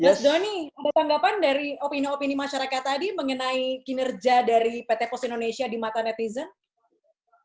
mas doni ada tanggapan dari opini opini masyarakat tadi mengenai kinerja dari pt pos indonesia di mata netizen